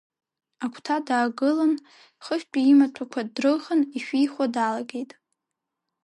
Агәҭа даагылан, хыхьтәи имаҭәақәа дрыхан ишәихуа далагеит.